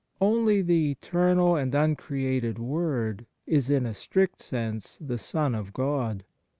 Only the Eternal and Uncreated Word is in a strict sense the Son of God.